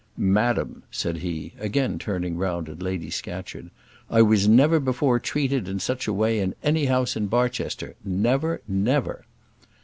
"Madam," said he, again turning round at Lady Scatcherd, "I was never before treated in such a way in any house in Barchester never never."